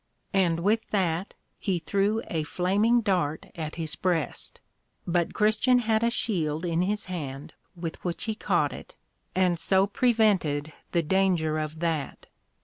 And with that he threw a flaming Dart at his breast, but Christian had a Shield in his hand, with which he caught it, and so prevented the danger of that.